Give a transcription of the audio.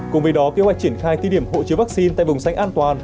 cùng với đó kế hoạch triển khai tiết điểm hộ chứa vaccine tại vùng xanh an toàn